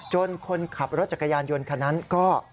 คนขับรถจักรยานยนต์คันนั้นก็